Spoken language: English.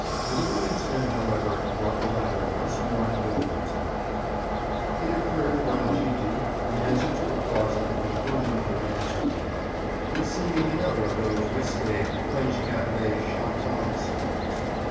A little incident, however, brought the latter once more vividly to mind. It occurred while Gee gee, in answer to applause at the conclusion of her dance with Gid up, was singing another of those risque, French cafe chantant songs.